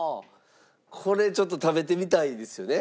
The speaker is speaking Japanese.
これちょっと食べてみたいですよね？